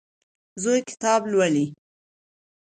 زوی کتاب لولي.